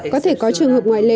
có thể có trường hợp ngoại lệ